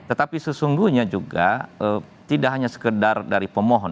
tetapi sesungguhnya juga tidak hanya sekedar dari pemohon